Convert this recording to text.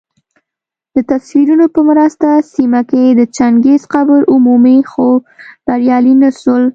دتصویرونو په مرسته سیمه کي د چنګیز قبر ومومي خو بریالي نه سول